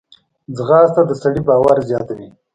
ځغاسته د سړي باور زیاتوي